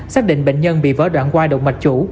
xác định bệnh nhân bị vỡ đoạn quai động mạch trữ